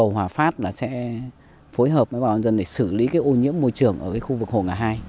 hồ ngã hai sẽ phối hợp với bà con dân để xử lý ô nhiễm môi trường ở khu vực hồ ngã hai